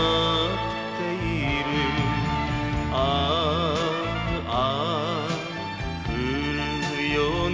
「ああ降るような」